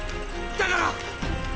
だから。